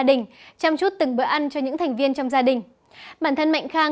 vì một việt nam khỏe mạnh hơn